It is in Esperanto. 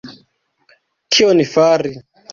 Kion fari!